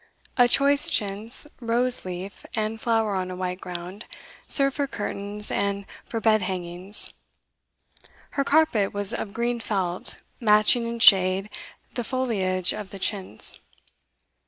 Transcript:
A choice chintz, rose leaf and flower on a white ground, served for curtains and for bed hangings. Her carpet was of green felt, matching in shade the foliage of the chintz.